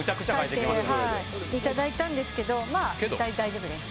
いただいたんですけどまあ大丈夫です。